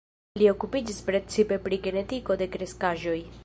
Li okupiĝis precipe pri genetiko de kreskaĵoj.